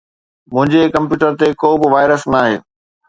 منهنجي ڪمپيوٽر تي ڪو به وائرس ناهي.